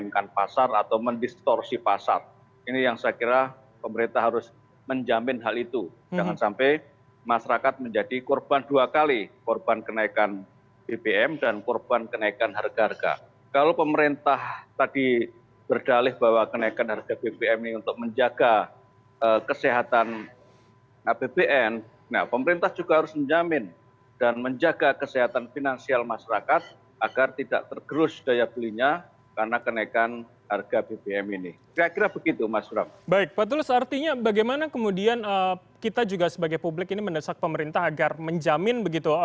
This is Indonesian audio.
kalau soal harga bbm itu